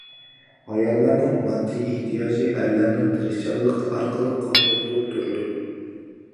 ئاياللارنىڭ ماددىي ئېھتىياجى ئەرلەرنىڭ تىرىشچانلىقى ئارقىلىق قاندۇرۇلۇپ تۇرىدۇ.